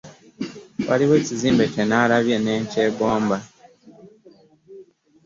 Waliwo ekizimbe kye nnalabye ne nkyegomba.